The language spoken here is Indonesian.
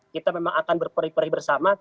kita memang akan berpori perih bersama